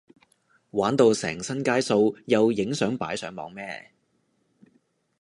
玩到成身街數又影相擺上網咩？